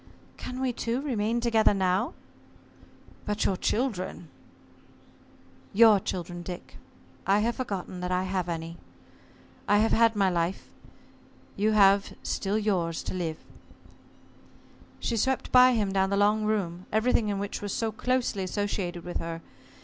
"Can we two remain together now?" "But your children?" "Your children, Dick I have forgotten that I have any. I have had my life. You have still yours to live." She swept by him down the long room, everything in which was so closely associated with her.